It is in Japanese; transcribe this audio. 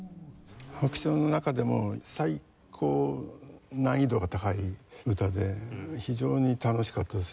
『白鳥』の中でも最高難易度が高い歌で非常に楽しかったです